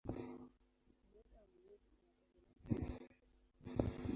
Muda wa mwezi unategemea aina ya kalenda inayotumika.